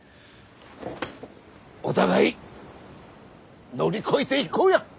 お互い乗り越えていこうや。